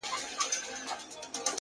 منم د قاف د شاپېريو حُسن-